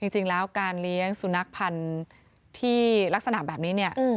จริงแล้วการเลี้ยงสุนัขพันธุ์ที่ลักษณะแบบนี้เนี่ย